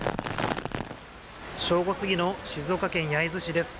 正午過ぎの静岡県焼津市です。